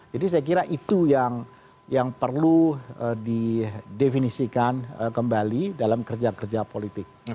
jadi saya kira itu yang perlu di definisikan kembali dalam kerja kerja politik